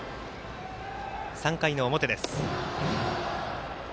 ３回の表です。